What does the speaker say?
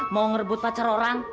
mau ngerebut pacar orang